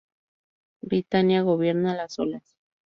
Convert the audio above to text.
Britania gobierna las olas.